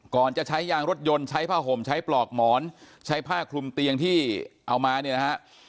จะใช้ยางรถยนต์ใช้ผ้าห่มใช้ปลอกหมอนใช้ผ้าคลุมเตียงที่เอามาเนี่ยนะฮะ